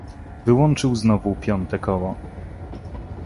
Wyłączył znowu piąte koło.